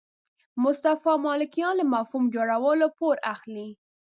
مصطفی ملکیان له مفهوم جوړولو پور اخلي.